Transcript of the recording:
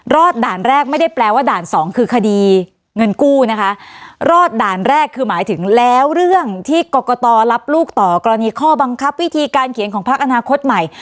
ด่านแรกไม่ได้แปลว่าด่านสองคือคดีเงินกู้นะคะรอดด่านแรกคือหมายถึงแล้วเรื่องที่กรกตรับลูกต่อกรณีข้อบังคับวิธีการเขียนของพักอนาคตใหม่